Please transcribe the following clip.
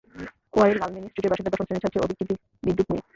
ওয়ারীর Larmini স্ট্রিটের বাসিন্দা দশম শ্রেণির ছাত্র অভিক চিন্তিত বিদ্যুৎ নিয়ে।